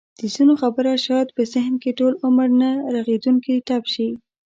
د ځینو خبره شاید په ذهن کې ټوله عمر نه رغېدونکی ټپ شي.